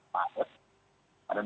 maret pada dua ribu empat belas